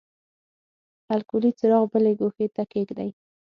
الکولي څراغ بلې ګوښې ته کیږدئ.